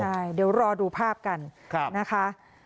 ใช่เดี๋ยวรอดูภาพกันนะคะ